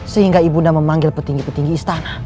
sehingga ibunda memanggil petinggi petinggi istana